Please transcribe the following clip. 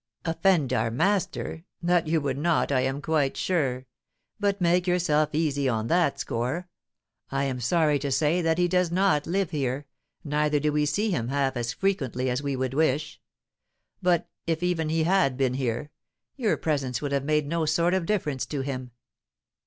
"Offend our master! that you would not, I am quite sure. But make yourself easy on that score. I am sorry to say that he does not live here, neither do we see him half as frequently as we could wish. But, if even he had been here, your presence would have made no sort of difference to him."